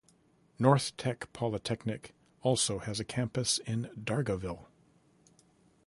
NorthTec polytechnic also has a campus in Dargaville.